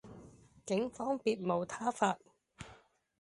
警方別無他法